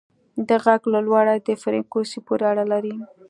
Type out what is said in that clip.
د غږ لوړوالی د فریکونسي پورې اړه لري.